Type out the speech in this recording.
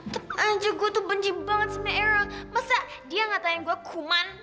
tepat aja gua benci banget sama era masa dia gak tanya gua kuman